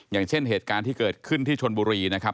อย่างเช่นเหตุการณ์ที่เกิดขึ้นที่ชนบุรีนะครับ